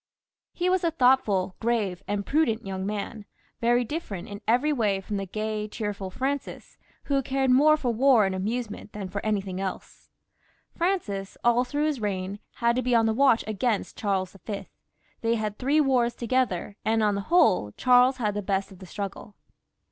He was a thoughtful, grave, and prudent young man, very different in every way from the gay, cheerful Francis, who cared more for war and amusement than for anything else. Francis, all through his reign, had to be on his watch against Charles V. ; they had three wars toge ther, and on the whole, Charles had the best of the struggle.